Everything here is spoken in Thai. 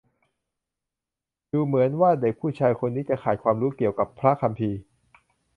ดูเหมือนว่าเด็กผู้ชายคนนี้จะขาดความรู้เกี่ยวกับพระคัมภีร์